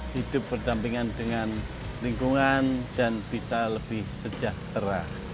hidup berdampingan dengan lingkungan dan bisa lebih sejahtera